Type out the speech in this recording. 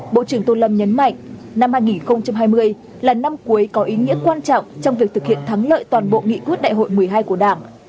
bộ trưởng tô lâm nhấn mạnh năm hai nghìn hai mươi là năm cuối có ý nghĩa quan trọng trong việc thực hiện thắng lợi toàn bộ nghị quyết đại hội một mươi hai của đảng